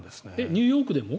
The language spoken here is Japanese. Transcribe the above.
ニューヨークでも？